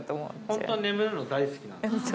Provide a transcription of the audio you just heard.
本当は眠るの大好きなんです。